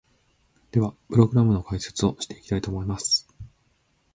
では、プログラムの解説をしていきたいと思います！